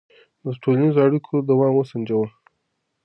د ټولنیزو اړیکو دوام وسنجوه.